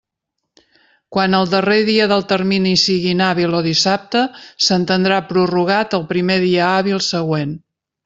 Quan el darrer dia del termini sigui inhàbil o dissabte s'entendrà prorrogat al primer dia hàbil següent.